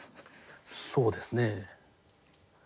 そうですね。